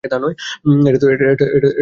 এটা তো মরে গেছে, না?